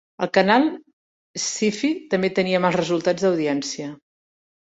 El canal SciFi també tenia mals resultats d'audiència.